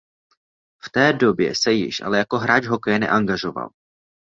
V té době se již ale jako hráč hokeje neangažoval.